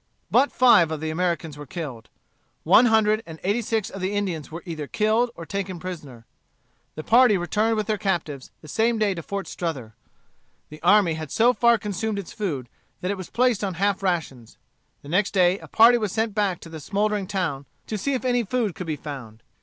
But five of the Americans were killed. One hundred and eighty six of the Indians were either killed or taken prisoners. The party returned with their captives the same day to Fort Strother. The army had so far consumed its food that it was placed on half rations. The next day a party was sent back to the smouldering town to see if any food could be found.